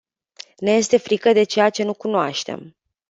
Ne este frică de ceea ce nu cunoaștem.